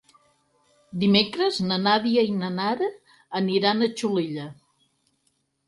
Dimecres na Nàdia i na Nara aniran a Xulilla.